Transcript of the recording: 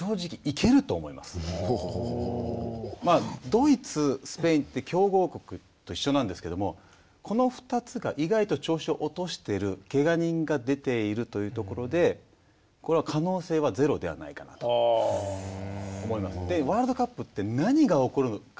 ドイツスペインって強豪国と一緒なんですけどもこの２つが意外と調子を落としてるけが人が出ているというところでこれは可能性はゼロではないかなと思います。